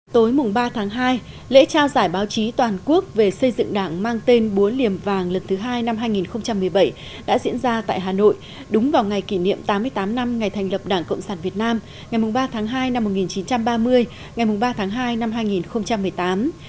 tối ba tháng hai lễ trao giải báo chí toàn quốc về xây dựng đảng mang tên búa liềm vàng lần thứ hai năm hai nghìn một mươi bảy đã diễn ra tại hà nội đúng vào ngày kỷ niệm tám mươi tám năm ngày thành lập đảng cộng sản việt nam ngày ba tháng hai năm một nghìn chín trăm ba mươi ngày ba tháng hai năm hai nghìn một mươi tám